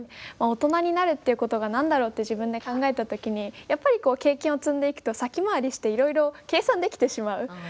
大人になるっていうことが何だろうって自分で考えた時にやっぱりこう経験を積んでいくと先回りしていろいろ計算できてしまう。